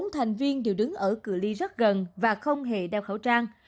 bốn thành viên đều đứng ở cửa ly rất gần và không hề đeo khẩu trang